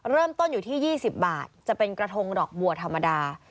เริ่มต้นอยู่ที่๒๐บาทจะเป็นกระทงดอกบัวธรรมดา